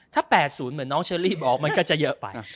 ถ้า๘๐เหมือนน้องเชอรี่บอกมันก็จะเยอะไป